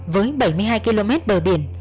với bảy mươi hai km bờ biển